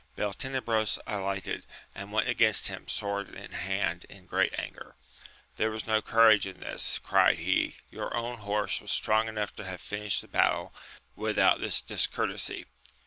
Beltenebros alighted, and went against him sword in hand in great anger. There was no courage in this ! cried he ; your own horse was strong enough to have finished the battle without this discourtesy!